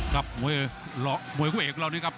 ครับมวยคุยกับเรานี่ครับ